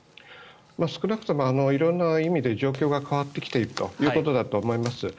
少なくとも色んな意味で状況が変わってきているということだと思います。